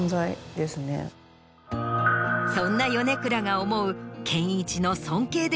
そんな米倉が思う。